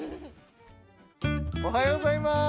◆おはようございます。